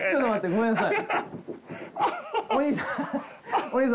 ごめんなさい。